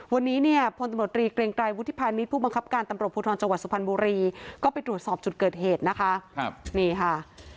วันนี้เนี่ยพลตำรวจตรีเกรงไกรวุฒิพาณีทผู้บังคับการตำรวจพจสุพรรณบุรีก็ไปตรวจสอบจุดเกิดเหตุนะคะ